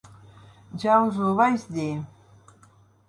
Ja us ho vaig dir.